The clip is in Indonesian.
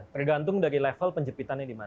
tergantung dari level penjepitannya